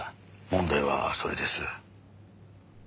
問題はそれです。